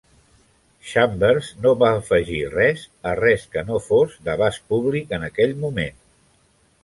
Chambers no va afegir res a res que no fos d'abast públic en aquell moment.